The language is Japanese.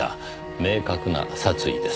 明確な殺意です。